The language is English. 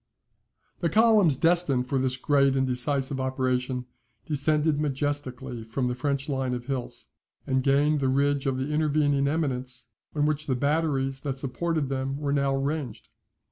The columns destined for this great and decisive operation descended majestically from the French line of hills, and gained the ridge of the intervening eminence, on which the batteries that supported them were now ranged.